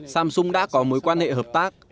samsung đã có mối quan hệ hợp tác